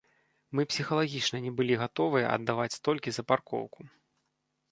Мы псіхалагічна не былі гатовыя аддаваць столькі за паркоўку.